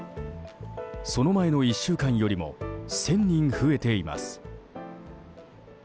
その前の１週間よりも１０００人増えています。